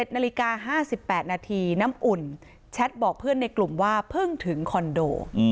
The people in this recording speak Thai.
๑นาฬิกา๕๘นาทีน้ำอุ่นแชทบอกเพื่อนในกลุ่มว่าเพิ่งถึงคอนโด